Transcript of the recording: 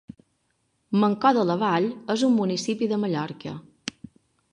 Mancor de la Vall és un municipi de Mallorca.